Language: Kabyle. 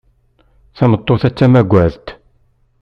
Tameṭṭut-a d tamugaḍt.